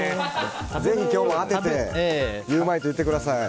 ぜひ今日も当ててゆウマいと言ってください。